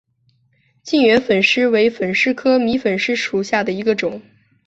近圆粉虱为粉虱科迷粉虱属下的一个种。